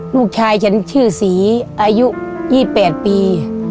ลูกชายฉันชื่อศรีอายุ๒๘ปี